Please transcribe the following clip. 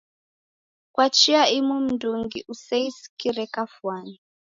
Kwa chia imu mndungi useisikire kafwani.